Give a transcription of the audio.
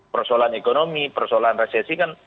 persoalan ekonomi persoalan resesi kan